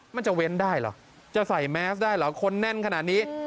มันจะเว้นได้เหรอจะใส่แมสได้เหรอคนแน่นขนาดนี้